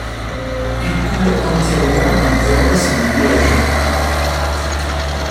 Il coule entièrement en province de Liège.